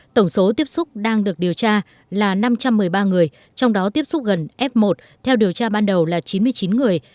tổng số tiếp xúc đang được điều tra là năm trăm một mươi ba người trong đó tiếp xúc gần f một theo điều tra ban đầu là chín mươi chín người